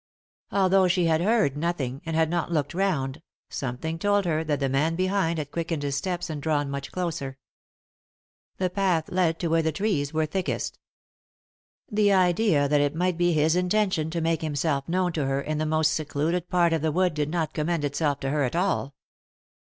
Although she had heard nothing, and had not looked round, something told her that the man behind had quickened his steps and drawn much closer. The path led to where the trees were thickest. The idea that it might be his intention to make himself known to her in the most secluded part of the wood did not commend itself to her at all.